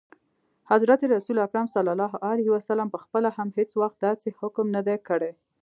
حضرت رسول اکرم ص پخپله هم هیڅ وخت داسي حکم نه دی کړی.